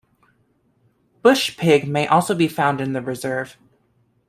Bushpig may also be found in the reserve.